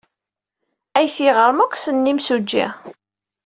Ayt yiɣrem akk ssnen imsujji.